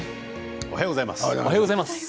おはようございます。